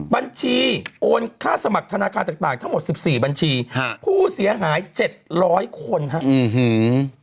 บัญชีโอนค่าสมัครธนาคารต่างทั้งหมด๑๔บัญชีผู้เสียหาย๗๐๐คนครับ